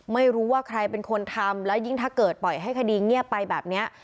ไม่รู้ว่าใครเป็นคนทำแล้วยิ่งถ้าเกิดปล่อยให้คดีเงียบไปแบบนี้